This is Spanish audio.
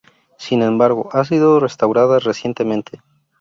Sin embargo, ha sido restaurada recientemente.